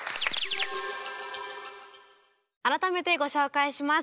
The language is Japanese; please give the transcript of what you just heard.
改めてご紹介します。